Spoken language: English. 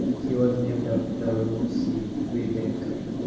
She was named after Rimouski, Quebec.